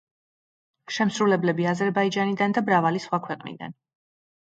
შემსრულებლები აზერბაიჯანიდან და მრავალი სხვა ქვეყნიდან.